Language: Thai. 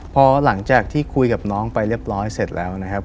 พอหลังจากที่คุยกับน้องไปเรียบร้อยเสร็จแล้วนะครับ